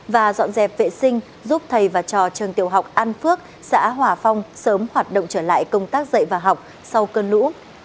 và dọn dẹp vệ sinh giúp thầy và trò trường tiểu học an phước xã hòa phong sớm hoạt động trở lại công tác dạy và học sau cơn lũ